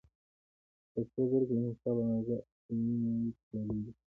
په سرو زرو کې د نصاب اندازه اووه نيمې تولې ده